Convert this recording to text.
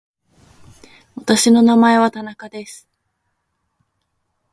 私の名前は田中です。